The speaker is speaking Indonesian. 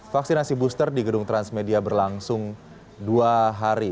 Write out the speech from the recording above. vaksinasi booster di gedung transmedia berlangsung dua hari